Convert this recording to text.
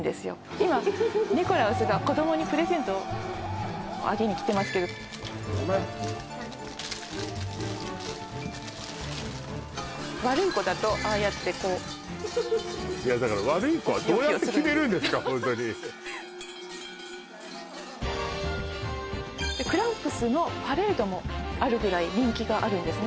今ニコラウスが子どもにプレゼントをあげに来てますけど悪い子だとああやっていやだから悪い子はどうやって決めるんですかホントにでクランプスのパレードもあるぐらい人気があるんですね